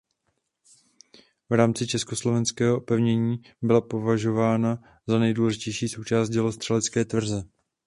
V rámci československého opevnění byla považována za nejdůležitější součást dělostřelecké tvrze.